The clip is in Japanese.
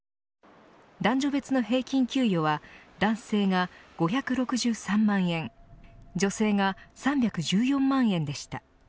男女別の平均給与は男性が５６３万円女性が３１４万円でした。